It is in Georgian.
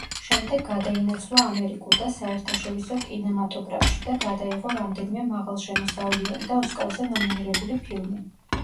შემდეგ გადაინაცვლა ამერიკულ და საერთაშორისო კინემატოგრაფში და გადაიღო რამდენიმე მაღალშემოსავლიანი და ოსკარზე ნომინირებული ფილმი.